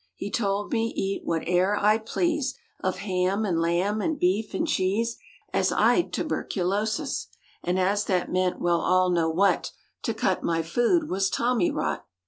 He told me eat what e'er I'd please Of ham and lamb and beef and cheese As I'd tuberculosis. And as that meant—^well all know what— To cut my food was tommy rot.